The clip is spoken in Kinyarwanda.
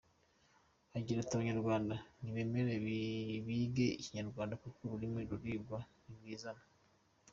Aragira ati” Abanyarwanda nibemere bige Ikinyarwanda kuko ururimi rurigwa, ntirwizana’’.